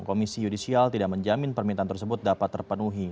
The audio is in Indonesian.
komisi yudisial tidak menjamin permintaan tersebut dapat terpenuhi